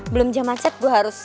belum jam macet gue harus